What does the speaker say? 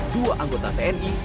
dua anggota tni